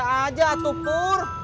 saya aja atupur